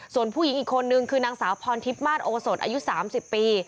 ส่วนผู้หญิงอีกคนนึงคือนางสาวพรทิพย์มาสโอสดอายุ๓๐ปี